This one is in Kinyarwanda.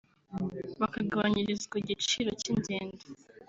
bakagabanyirizwa igiciro cy’ingendo